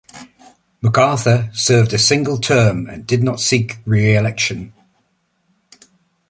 McArthur served a single term and did not seek re-election.